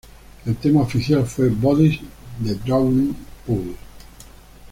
El tema oficial fue ""Bodies"" de Drowning Pool.